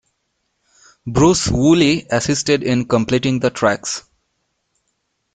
Bruce Woolley assisted in completing the tracks.